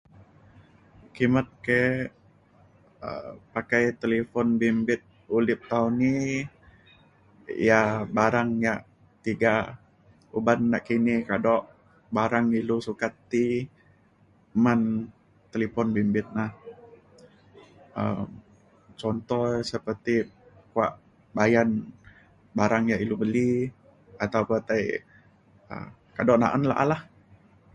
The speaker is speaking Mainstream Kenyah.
kimet ke' um pakai talifon bimbit udip tau ni ia' barang ia' tiga uban nakini kado barang ilu sukat ti men talifon bimbit na um contoh seperti kua bayan barang ia' ilu beli atau pa tai um kado na'an la'a lah